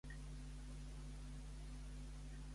Quina circumstància favorable ha tingut, però, tot això?